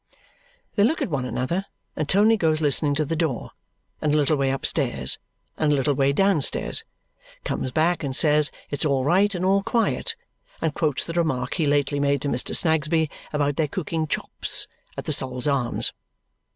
They look at one another, and Tony goes listening to the door, and a little way upstairs, and a little way downstairs. Comes back and says it's all right and all quiet, and quotes the remark he lately made to Mr. Snagsby about their cooking chops at the Sol's Arms.